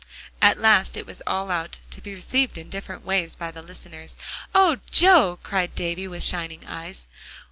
At last it was all out, to be received in different ways by the listeners. "Oh, Joe!" cried Davie with shining eyes.